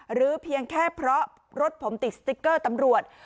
เพียงแค่เพราะรถผมติดสติ๊กเกอร์ตำรวจ